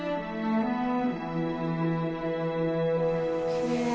きれい。